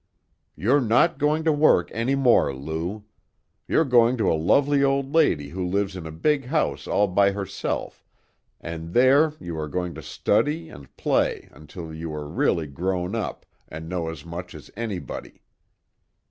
You're not going to work any more, Lou. You're going to a lovely old lady who lives in a big house all by herself, and there you are going to study and play until you are really grown up, and know as much as anybody."